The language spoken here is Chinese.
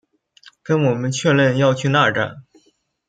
跟我们确认要去那站